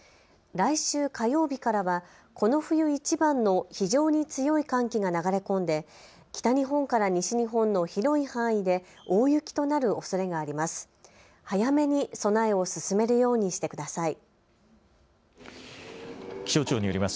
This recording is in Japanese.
来週火曜日からはこの冬いちばんの非常に強い寒気が流れ込んで北日本から西日本の広い範囲で大雪となるおそれがあります。